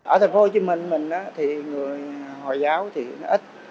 ở thành phố hồ chí minh người hồi giáo thì ít